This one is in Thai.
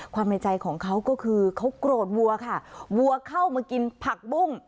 ในใจของเขาก็คือเขาโกรธวัวค่ะวัวเข้ามากินผักบุ้ง